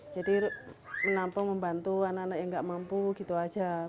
jadi menampung membantu anak anak yang nggak mampu gitu aja